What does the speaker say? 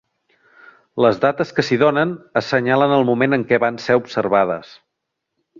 Les dates que s'hi donen assenyalen el moment en què van ser observades.